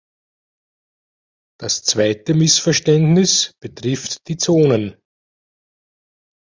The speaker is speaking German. Das zweite Missverständnis betrifft die Zonen.